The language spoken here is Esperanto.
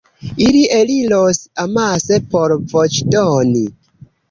Ili eliros amase por voĉdoni.